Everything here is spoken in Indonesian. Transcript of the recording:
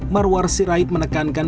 marwar sirait menekankan